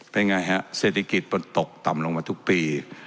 เป็นไงฮะเศรษฐกิจมันตกต่ำลงมาทุกปี